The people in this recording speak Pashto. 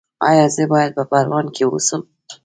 ایا زه باید په پروان کې اوسم؟